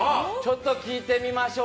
聴いてみましょう。